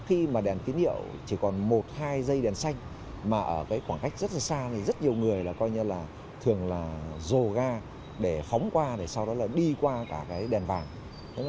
khi mà đèn tín hiệu chỉ còn một hai dây đèn xanh mà ở khoảng cách rất là xa thì rất nhiều người là coi như là thường là dồ ga để phóng qua để sau đó là đi qua cả cái đèn vàng